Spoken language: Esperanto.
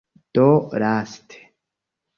Do laste